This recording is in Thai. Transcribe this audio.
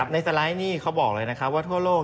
ในสไลด์นี้เขาบอกเลยว่าทั่วโลก